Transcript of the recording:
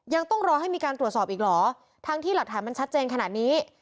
ยังต้องรอให้มีการตรวจสอบอีกเหรอทั้งที่หลักฐานมันชัดเจนขนาดนี้